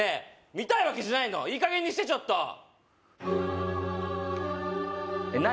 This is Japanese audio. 見たいわけじゃないのいい加減にしてちょっとえっ何？